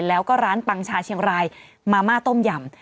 แล้วก็ร้านปังชาเชียงรายมาม่าต้มยำ